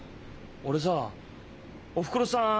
俺さおふくろさん